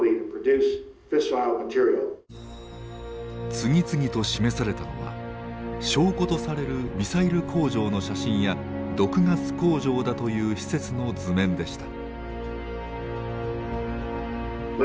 次々と示されたのは証拠とされるミサイル工場の写真や毒ガス工場だという施設の図面でした。